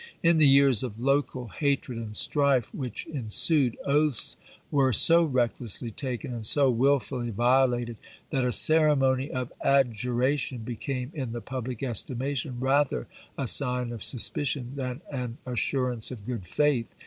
In the years of local hatred and strife which ensued, oaths were so recklessly taken and so willfully violated that a ceremony of adjuration became, in the public esti mation, rather a sign of suspicion than an assur ance of good faith.